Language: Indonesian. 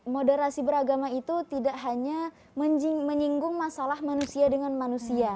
moderasi beragama itu tidak hanya menyinggung masalah manusia dengan manusia